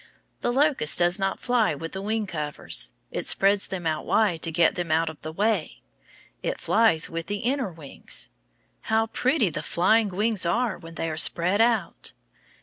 The locust does not fly with the wing covers. It spreads them out wide to get them out of the way. It flies with the inner wings. How pretty the flying wings are when they are spread out!